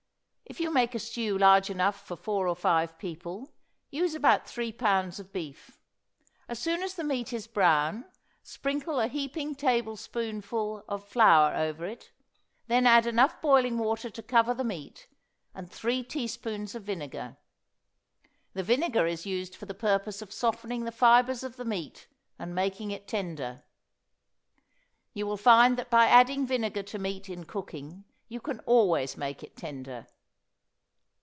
If you make a stew large enough for four or five people, use about three pounds of beef. As soon as the meat is brown, sprinkle a heaping tablespoonful of flour over it; then add enough boiling water to cover the meat, and three teaspoons of vinegar. The vinegar is used for the purpose of softening the fibres of the meat and making it tender. You will find that by adding vinegar to meat in cooking, you can always make it tender.